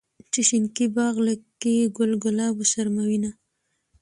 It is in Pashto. چې شينکي باغ کې ګل ګلاب وشرمووينه